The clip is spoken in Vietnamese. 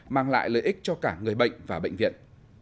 mang lại lợi ích cho cả người bệnh và bệnh viện